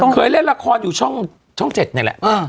เคยเล่นละครอยู่ช่อง๗นี่แหละ